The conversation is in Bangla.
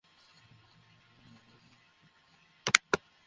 মার্গারেট থমাসন, ও কেমন আছে?